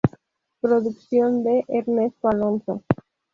Producción de Ernesto Alonso.